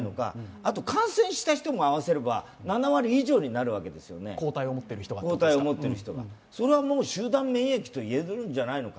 あと感染した人も合わせれば７割以上になるわけですよね、抗体を持っている人が。それはもう集団免疫といえるんじゃないか。